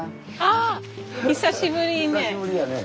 あっ久しぶりね。